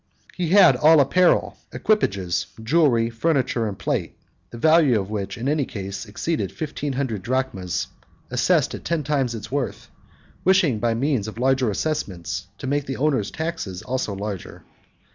He had all apparel, equipages, jewellery, furniture and plate, the value of which in any case exceeded fifteen hundred drachmas, assessed at ten times its worth, wishing by means of larger assessments to make the owners' taxes also larger.